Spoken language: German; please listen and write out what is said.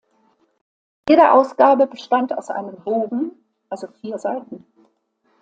Jede Ausgabe bestand aus einem Bogen, also vier Seiten.